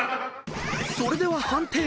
［それでは判定］